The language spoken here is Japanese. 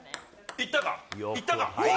いったか？